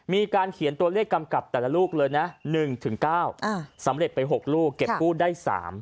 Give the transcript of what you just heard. มีการเขียนตัวเลขกำกับแต่ละลูกเลยนะ๑๙สำเร็จไป๖ลูกเก็บกู้ได้๓